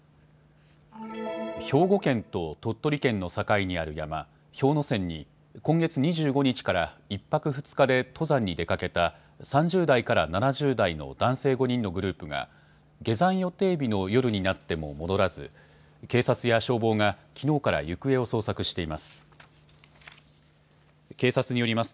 兵庫県と鳥取県の境にある山、氷ノ山に今月２５日から１泊２日で登山に出かけた３０代から７０代の男性５人のグループが下山予定日の夜になっても戻らず警察や消防がきのうから行方を捜索しています。